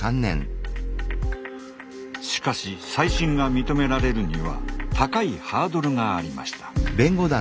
しかし再審が認められるには高いハードルがありました。